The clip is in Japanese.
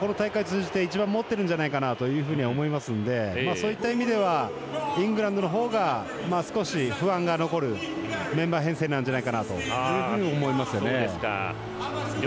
自信は、この大会通じて一番持ってるんじゃないかなと思いますのでそういう意味ではイングランドの方が少し、不安が残るメンバー編成なんじゃないかなと思いますね。